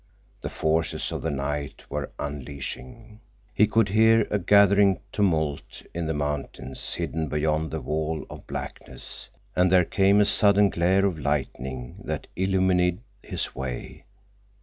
The forces of the night were unleashing. He could hear a gathering tumult in the mountains hidden beyond the wall of blackness, and there came a sudden glare of lightning that illumined his way.